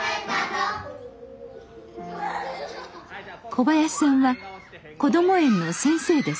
小林さんはこども園の先生です。